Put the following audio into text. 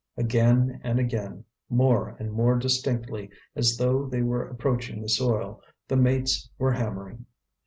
Again and again, more and more distinctly, as though they were approaching the soil, the mates were hammering.